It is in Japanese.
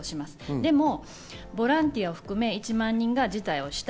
でもボランティアを含め１万人が辞退した。